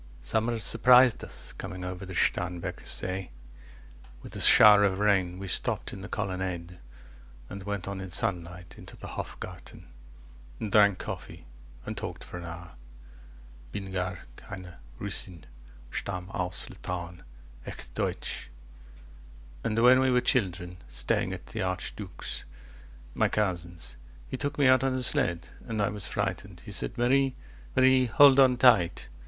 Summer surprised us, coming over the Starnbergersee With a shower of rain; we stopped in the colonnade, And went on in sunlight, into the Hofgarten, 10 And drank coffee, and talked for an hour. Bin gar keine Russin, stamm' aus Litauen, echt deutsch. And when we were children, staying at the archduke's, My cousin's, he took me out on a sled, And I was frightened. He said, Marie, 15 Marie, hold on tight.